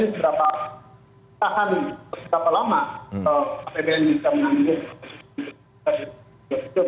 jadi berapa tahan berapa lama bbm bisa menanggung